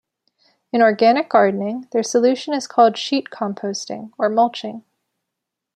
In organic gardening, their solution is called sheet composting or mulching.